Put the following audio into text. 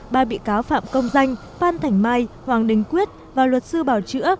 ba bị cáo phạm công danh phan thành mai hoàng đình quyết và luật sư bảo chữa